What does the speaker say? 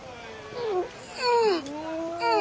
うん！